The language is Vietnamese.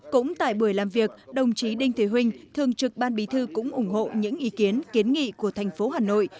cũng tại buổi làm việc đồng chí đinh thế huynh thường trực ban bí thư cũng ủng hộ những ý kiến kiến nghị của thành phố hà nội